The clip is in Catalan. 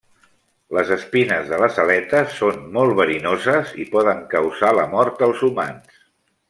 Les espines de les aletes són molt verinoses i poden causar la mort als humans.